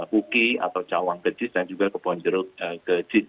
kuki atau cawang kedis dan juga kebonjerut kedis